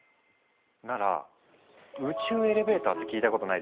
なら宇宙エレベーターって聞いたことないですか？